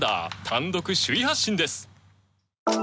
単独首位発進です。